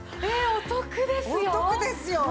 お得ですよ！